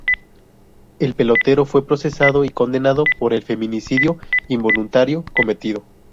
El pelotero fue procesado y condenado por el feminicidio involuntario cometido.